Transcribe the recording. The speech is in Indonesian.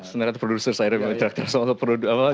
sebenarnya produser saya sudah berteraksi